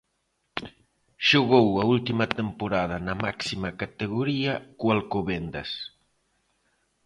Xogou a última temporada na máxima categoría co Alcobendas.